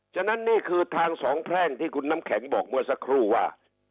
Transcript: ฉะนั้นนี่คือทางสองแพร่งที่คุณน้ำแข็งบอกเมื่อสักครู่ว่า